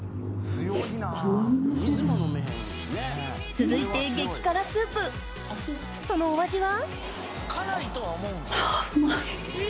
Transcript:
続いて激辛スープそのお味は？